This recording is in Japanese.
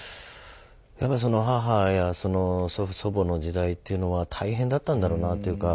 やっぱその母やその祖父祖母の時代というのは大変だったんだろうなというか。